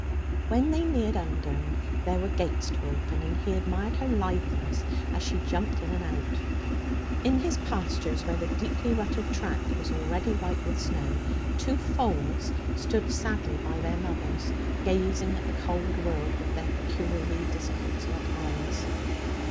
When they neared Undern there were gates to open, and he admired her litheness as she jumped in and out. In his pastures, where the deeply rutted track was already white with snow, two foals stood sadly by their mothers, gazing at the cold world with their peculiarly disconsolate eyes.